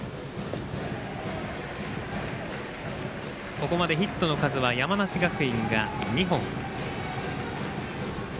ここまでヒットの数は山梨学院は２本。